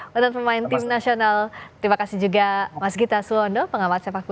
menurut pemain tim nasional terima kasih juga mas gita suwondo pengamat sepak bola